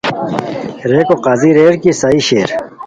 ریکو قاضی ریر کی صحیح شیر